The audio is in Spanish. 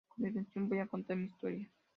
A continuación, voy a contar mi historia.